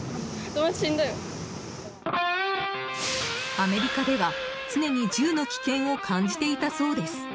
アメリカでは常に銃の危険を感じていたそうです。